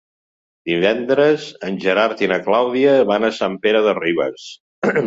Divendres en Gerard i na Clàudia van a Sant Pere de Ribes.